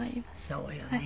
そうよね。